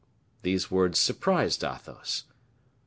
These words surprised Athos.